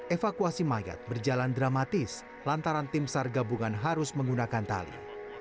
evakuasi mayat berjalan dramatis lantaran tim sar gabungan harus menggunakan tali